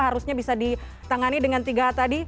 harusnya bisa ditangani dengan tiga hal tadi